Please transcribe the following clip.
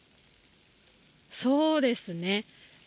そうですね。